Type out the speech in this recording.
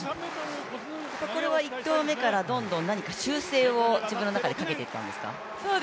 これは１投目から修正をどんどん自分の中でかけていったんですか？